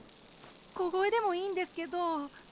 小声でもいいんですけど。